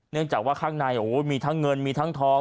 เนื่องจากว่าข้างในมีทั้งเงินมีทั้งทอง